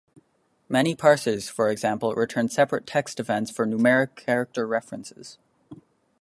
Many parsers, for example, return separate text events for numeric character references.